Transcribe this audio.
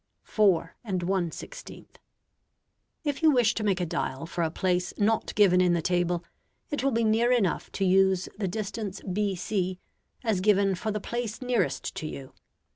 4 1/16 If you wish to make a dial for a place not given in the table, it will be near enough to use the distance bc as given for the place nearest to you.